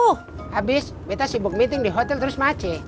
oh habis kita sibuk meeting di hotel terus mace